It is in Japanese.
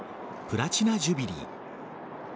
プラチナ・ジュビリー。